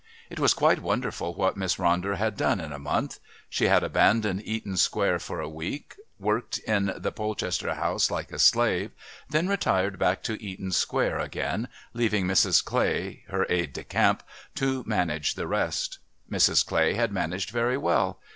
It was quite wonderful what Miss Ronder had done in a month; she had abandoned Eaton Square for a week, worked in the Polchester house like a slave, then retired back to Eaton Square again, leaving Mrs. Clay, her aide de camp, to manage the rest. Mrs. Clay had managed very well.